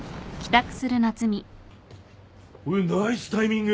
おっナイスタイミング！